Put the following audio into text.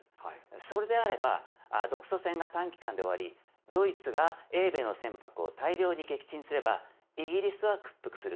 それであれば、独ソ戦が短期間で終わり、ドイツが英米の船舶を大量に撃沈すれば、イギリスは屈服する。